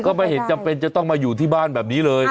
ก็ไม่เห็นจำเป็นจะต้องมาอยู่ที่บ้านแบบนี้เลย